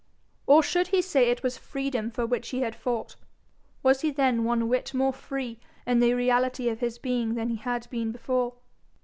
Or should he say it was Freedom for which he had fought? Was he then one whit more free in the reality of his being than he had been before?